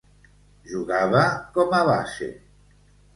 Jugava com a base.